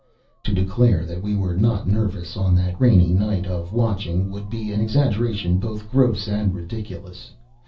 To declare that we were not nervous on that rainy night of watching would be an exaggeration both gross and ridiculous.